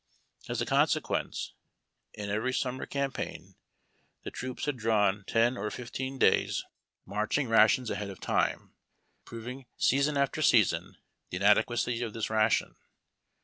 As a consequence, in every summer campaign tlce troops had drawn ten or fifteen days 142 HAED TACK AND COFFEE. marcliing rations ahead of time, proving, season after season, the inadequacy of this ration.